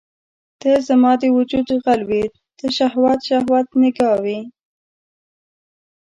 ته زما د وجود غل وې ته شهوت، شهوت نګاه وي